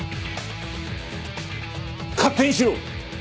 勝手にしろ！